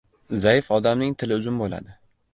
• Zaif odamning tili uzun bo‘ladi.